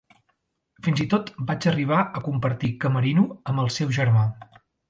Fins i tot vaig arribar a compartir camerino amb el seu germà.